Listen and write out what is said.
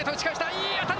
いい当たり。